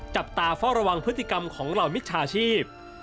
จับตาเฝ้าระวังพฤติกรรมของเหล่ามิจฉาชีพ